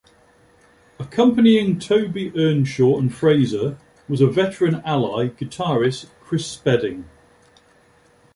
Accompanying Tobi Earnshaw and Fraser was a veteran ally, guitarist Chris Spedding.